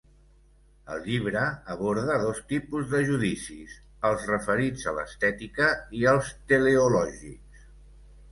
El llibre aborda dos tipus de judicis: els referits a l'estètica i els teleològics.